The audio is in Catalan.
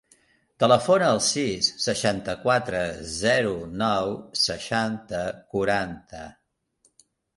Telefona al sis, seixanta-quatre, zero, nou, seixanta, quaranta.